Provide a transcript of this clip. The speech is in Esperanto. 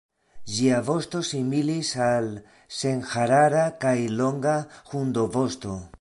Ĝia vosto similis al senharara kaj longa hundovosto.